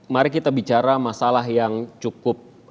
mari kita bicara masalah yang cukup